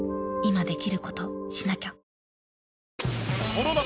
この夏